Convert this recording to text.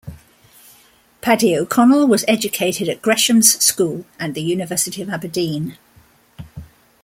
Paddy O'Connell was educated at Gresham's School and the University of Aberdeen.